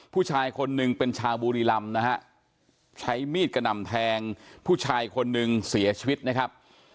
ผู้ชายคนหนึ่งเป็นชาวบุรีรำนะฮะใช้มีดกระหน่ำแทงผู้ชายคนหนึ่งเสียชีวิตนะครับ